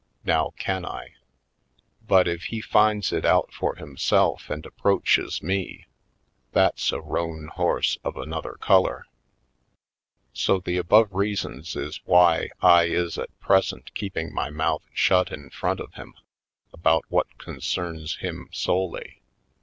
Now, can I? But if Dark Secrets 119 he finds it out for himself and approaches me, that's a roan horse of another color. So the above reasons is why I is at present keeping my mouth shut in front of him about what concerns him solely.